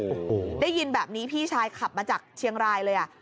โอ้โหได้ยินแบบนี้พี่ชายขับมาจากเชียงรายเลยอ่ะ